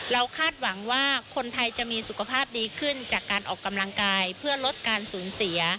คาดหวังว่าคนไทยจะมีสุขภาพดีขึ้นจากการออกกำลังกายเพื่อลดการสูญเสีย